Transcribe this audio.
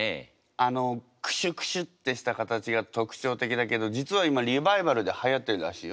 あのクシュクシュってした形が特徴的だけど実は今リバイバルではやってるらしいよ。